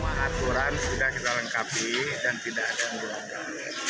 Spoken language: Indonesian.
aturan sudah kita lengkapi dan tidak ada yang beranggal